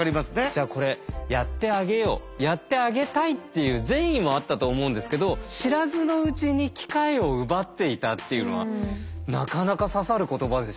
じゃあこれやってあげようやってあげたいっていう善意もあったと思うんですけど知らずのうちに機会を奪っていたっていうのはなかなか刺さる言葉でしたね。